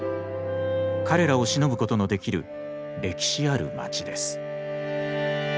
彼らをしのぶことのできる歴史ある町です。